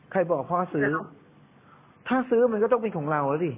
บอกพ่อซื้อถ้าซื้อมันก็ต้องเป็นของเราแล้วสิ